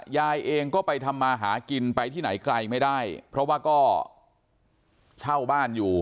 ยายเองก็ไปทำมาหากินไปที่ไหนไกลไม่ได้เพราะว่าก็เช่าบ้านอยู่